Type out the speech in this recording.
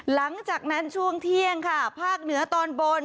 หลังจากนั้นช่วงเที่ยงค่ะภาคเหนือตอนบน